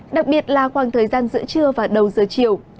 đặc biệt là khoảng thời gian giữa trưa và đầu giờ chiều